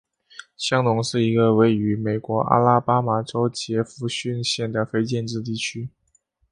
香农是一个位于美国阿拉巴马州杰佛逊县的非建制地区。